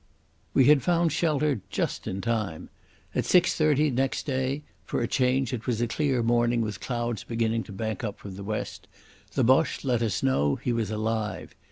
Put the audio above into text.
We had found shelter just in time. At 6.30 next day—for a change it was a clear morning with clouds beginning to bank up from the west—the Boche let us know he was alive.